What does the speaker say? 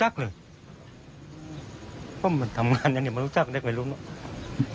มาหรือเจ้ามีคนมาหรือเปล่าไม่รู้นั้น